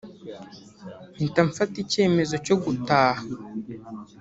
mpita mfata icyemezo cyo gutaha